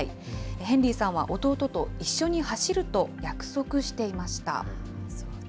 ヘンリーさんは弟と一緒に走ると約束していました。